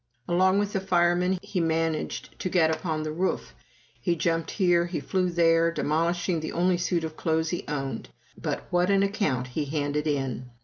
Along with the firemen, he managed to get upon the roof; he jumped here, he flew there, demolishing the only suit of clothes he owned. But what an account he handed in!